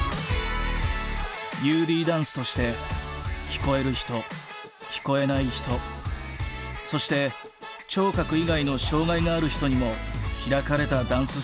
「ＵＤダンス」として聞こえる人聞こえない人そして聴覚以外の障害がある人にも開かれたダンススタジオを立ち上げた。